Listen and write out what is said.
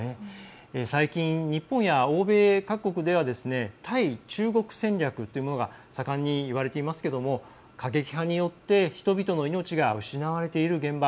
最近、日本や欧米各国では対中国戦略というものが盛んに言われていますけども過激派によって人々の命が失われている現場。